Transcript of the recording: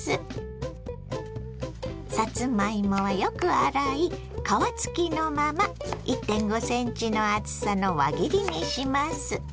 さつまいもはよく洗い皮付きのまま１．５ｃｍの厚さの輪切りにします。